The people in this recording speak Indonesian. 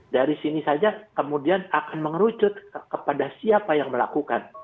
dari sini saja kemudian akan mengerucut kepada siapa yang melakukan